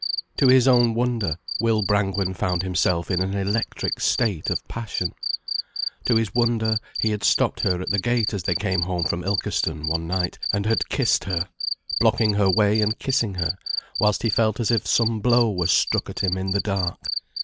To his own wonder, Will Brangwen found himself in an electric state of passion. To his wonder, he had stopped her at the gate as they came home from Ilkeston one night, and had kissed her, blocking her way and kissing her whilst he felt as if some blow were struck at him in the dark.